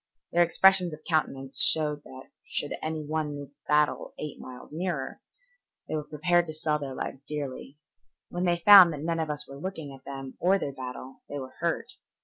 Their expressions of countenance showed that should any one move the battle eight miles nearer, they were prepared to sell their lives dearly. When they found that none of us were looking at them or their battle, they were hurt.